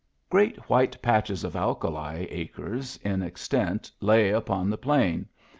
Great white patches of alkali, acres in extent, lay upon this plain.